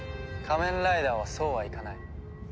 仮面ライダーはそうはいかない。